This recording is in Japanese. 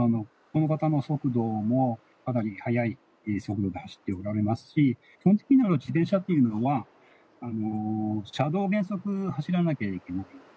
この方の速度もかなり速い速度で走っていますし、基本的には自転車というのは車道を原則走らなければいけない。